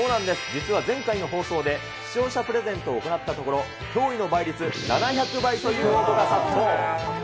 実は前回の放送で視聴者プレゼントを行ったところ、驚異の倍率、７００倍の応募が殺到。